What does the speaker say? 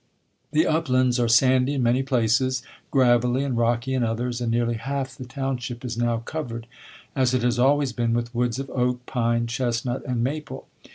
The uplands are sandy in many places, gravelly and rocky in others, and nearly half the township is now covered, as it has always been, with woods of oak, pine, chestnut, and maple.